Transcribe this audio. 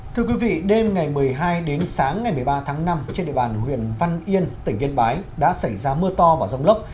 thưa quý vị đêm ngày một mươi hai đến sáng ngày một mươi ba tháng năm trên địa bàn huyện văn yên tỉnh yên bái đã xảy ra mưa to và rông lốc